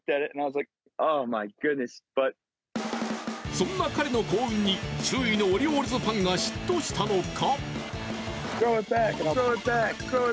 そんな彼の幸運に周囲のオリオールズファンが嫉妬したのか。